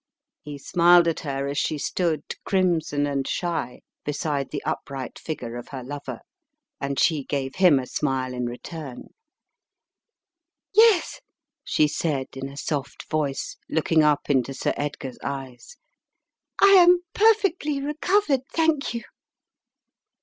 He smiled at her as she stood crimson and shy beside the upright figure of her lover, and she gave him a smile in return. "Yes," she said in a soft voice, looking up into Sir Edgar's eyes, "I am perfectly recovered, thank you!